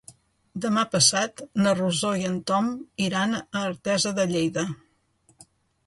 Demà passat na Rosó i en Tom iran a Artesa de Lleida.